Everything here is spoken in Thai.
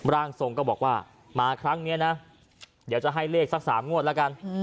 ร่างทรงก็บอกว่ามาครั้งนี้นะเดี๋ยวจะให้เลขสัก๓งวดแล้วกัน